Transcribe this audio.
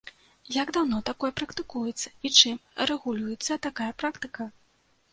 Як даўно такое практыкуецца і чым рэгулюецца такая практыка?